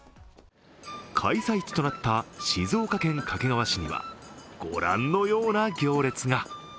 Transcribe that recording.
開催地となった静岡県掛川市にはご覧のような行列が。